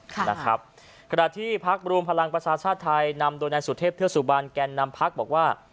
ขณะที่ภักดิ์บรูมพลังประชาชนชาติไทยนำโดยแนนสุทธิพเทศสุบาลแกนนำภักดิ์บอกว่า